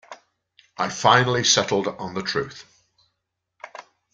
I finally settled on the truth.